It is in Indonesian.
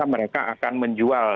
mereka akan menjual